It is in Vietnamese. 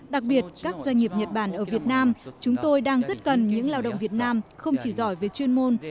đặc biệt các doanh nghiệp nhật bản ở việt nam chúng tôi đang rất cần những lao động việt nam không chỉ giỏi về chuyên môn